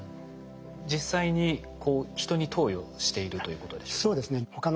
実際に人に投与しているということでしょうか？